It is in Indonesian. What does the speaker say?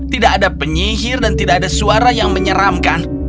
tidak ada penyihir dan tidak ada suara yang menyeramkan